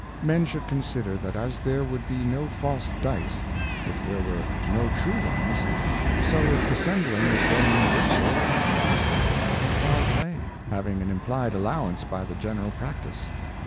Men should consider, that as there would be no false Dice, if there were no true ones, so if Dissembling is grown universal, it ceaseth to be foul play, having an implied Allowance by the general Practice.